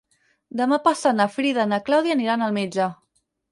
Demà passat na Frida i na Clàudia aniran al metge.